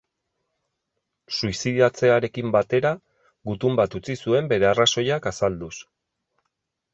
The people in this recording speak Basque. Suizidatzearekin batera, gutun bat utzi zuen bere arrazoiak azalduz.